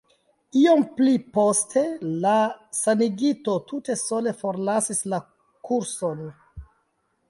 Iom pli poste la sanigito tute sole forlasis la kurson.